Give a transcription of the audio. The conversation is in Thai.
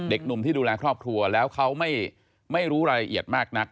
หนุ่มที่ดูแลครอบครัวแล้วเขาไม่รู้รายละเอียดมากนัก